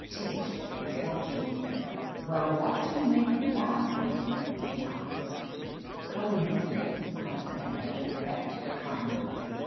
'* Tish was watching me "Well, what do you make of that, Lizzie?*' she asked "Coincidence, I said, with affected calm ness.